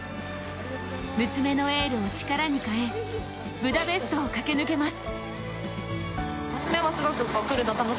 娘のエールを力に変え、ブダペストを駆け抜けます。